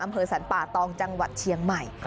อำเภอสรรป่าตองจังหวัดเชียงใหม่